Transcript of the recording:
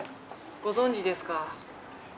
ご存じですか？